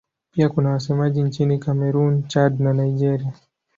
Pia kuna wasemaji nchini Kamerun, Chad na Nigeria.